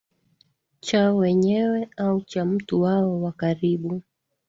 chao wenyewe au cha mtu wao wa karibu